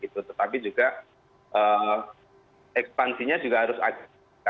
tetapi juga ekspansinya juga harus ada